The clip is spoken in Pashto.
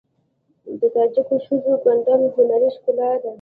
د تاجکو ښځو ګنډل هنري ښکلا ده.